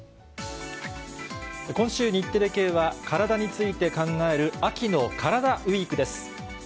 今週、日テレ系はカラダについて考える、秋のカラダＷＥＥＫです。